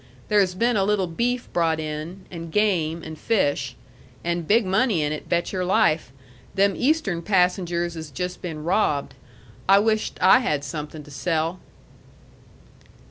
There has been a little beef brought in, and game, and fish. And big money in it, bet your life! Them Eastern passengers has just been robbed. I wisht I had somethin' to sell!"